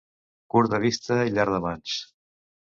Curt de vista i llarg de mans.